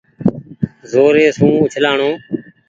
زوري سون اُڇلآڻو۔